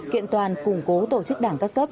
kiện toàn củng cố tổ chức đảng các cấp